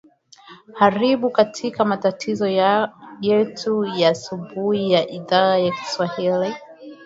aribu katika matazo yetu ya asubuhi ya idhaa ya kiswahili